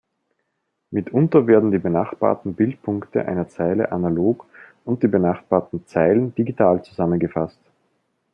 Mitunter werden die benachbarten Bildpunkte einer Zeile analog und die benachbarten Zeilen digital zusammengefasst.